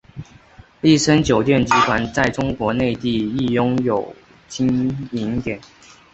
丽笙酒店集团在中国内地亦拥有经营点。